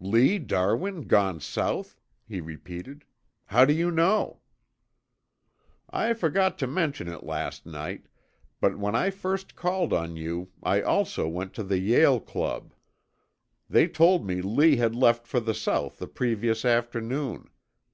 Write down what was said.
"Lee Darwin gone South?" he repeated. "How do you know?" "I forgot to mention it last night, but when I first called on you I also went to the Yale Club. They told me Lee had left for the South the previous afternoon.